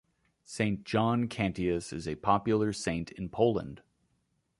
Saint John Cantius is a popular saint in Poland.